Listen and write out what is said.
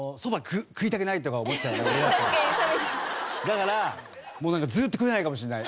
だからもうなんかずっと食えないかもしんない。